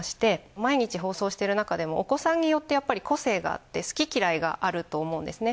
毎日放送してる中でもお子さんによってやっぱり個性があって好き嫌いがあると思うんですね。